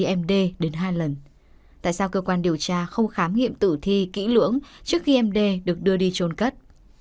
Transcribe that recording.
khi md đến hai lần tại sao cơ quan điều tra không khám nghiệm tử thi kỹ lưỡng trước khi md được đưa đi trôn cất